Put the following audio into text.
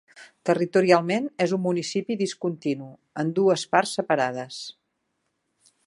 Territorialment, és un municipi discontinu, en dues parts separades.